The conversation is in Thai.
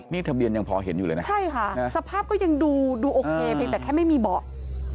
นี่ทะเบียนยังพอเห็นอยู่เลยนะใช่ค่ะสภาพก็ยังดูโอเคเพียงแต่แค่ไม่มีเบาะ